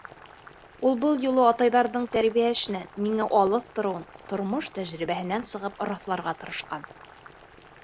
Ул был юлы атайҙарҙың тәрбиә эшенән ниңә алыҫ тороуын тормош тәжрибәһенән сығып раҫларға тырышҡан.